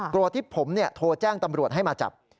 ที่ผมโทรแจ้งตำรวจให้มาจับ